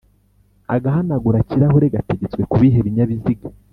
agahanagura kirahure gategetswe kubihe binyabiziga